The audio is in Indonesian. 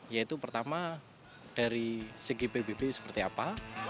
yaitu pertama dari segi pbb seperti apa